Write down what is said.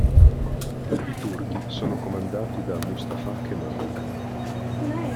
I turchi sono comandati da Mustafa Kemal.